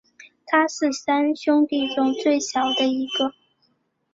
他是三兄弟中最小的一个。